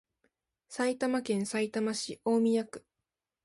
埼玉県さいたま市大宮区